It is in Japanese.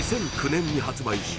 ２００９年に発売し